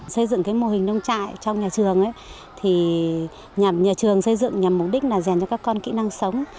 xây dựng cái mô hình nông trại trong nhà trường nhằm nhà trường xây dựng nhằm mục đích là rèn cho các con kỹ năng sống